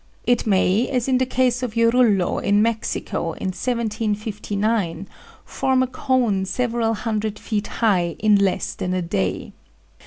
It may, as in the case of Jorullo in Mexico in 1759, form a cone several hundred feet high in less than a day.